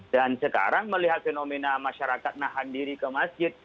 dan sekarang melihat fenomena masyarakat nahan diri ke masjid